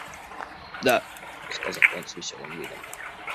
«Да! – сказал он с веселым видом.